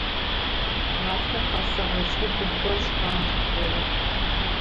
Гъатхэр къэсыгъ ыкӏи губгъор шхъуантӏэ хъугъэ.